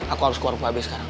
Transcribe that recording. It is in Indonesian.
aku harus keluar ke ab sekarang